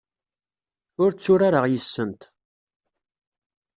Ur tturareɣ yes-sent.